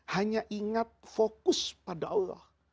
hanya ingat fokus pada allah